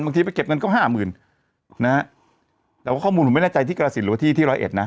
ไปเก็บเงินก็ห้าหมื่นนะฮะแต่ว่าข้อมูลผมไม่แน่ใจที่กรสินหรือว่าที่ที่ร้อยเอ็ดนะ